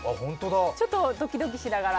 ちょっとドキドキしながら。